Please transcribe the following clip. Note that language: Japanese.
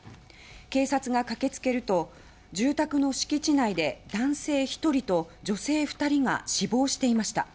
警察が駆けつけると住宅の敷地内で男性１人と女性２人が死亡していました。